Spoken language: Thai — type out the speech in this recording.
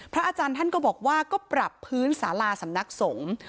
อาจารย์ท่านก็บอกว่าก็ปรับพื้นสาราสำนักสงฆ์